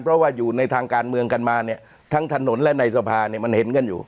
เพราะว่าอยู่ในทางการเมืองกันมาเนี่ยทั้งถนนและในสภาเนี่ยมันเห็นกันอยู่